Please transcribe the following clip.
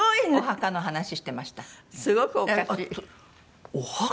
すごくおかしい。お墓。